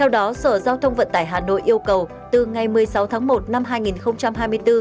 đó sở giao thông vận tải hà nội yêu cầu từ ngày một mươi sáu tháng một năm hai nghìn hai mươi bốn